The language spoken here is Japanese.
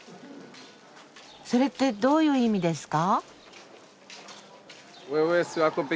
それってどういう意味ですか？